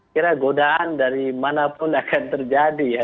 kira godaan dari manapun akan terjadi ya